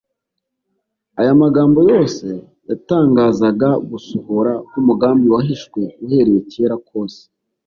Aya magambo yose yatangazaga gusohora k'umugambi wahishwe uhereye kera kose.